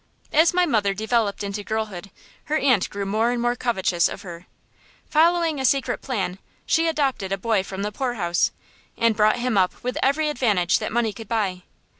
As my mother developed into girlhood, her aunt grew more and more covetous of her. Following a secret plan, she adopted a boy from the poorhouse, and brought him up with every advantage that money could buy.